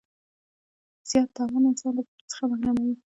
زیات تماعل انسان له ګټې څخه محروموي.